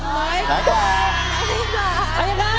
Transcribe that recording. หน่อยกว่า